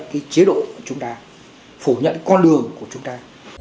đó là cái chế độ của chúng ta phủ nhận con đường của chúng ta